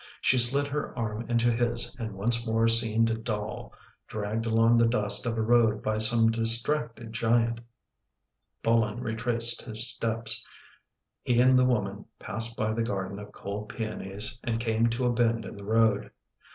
She slid her arm into his and once more seemed a doll dragged along the dust of a road by some distracted giant. Bolin retraced his steps; he and the woman passed by the garden of cold peonies and came to a bend in the road.